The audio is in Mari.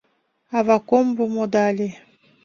Ава комбо модале.